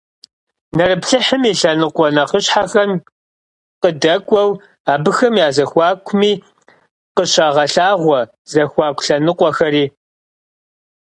Нэрыплъыхьым и лъэныкъуэ нэхъыщхьэхэм къыдэкӀуэу абыхэм я зэхуакуми къыщагъэлъагъуэ зэхуаку лъэныкъуэхэри.